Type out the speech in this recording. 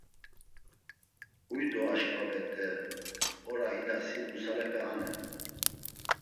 Huy do aşǩva bet̆e, ora idasi nusalepe anen.